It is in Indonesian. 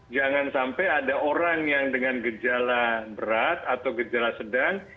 jangan sampai ada orang yang dengan gejala berat atau gejala sedang